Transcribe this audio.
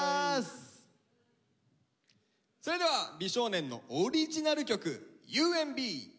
それでは美少年のオリジナル曲「ＹＯＵ＆美」。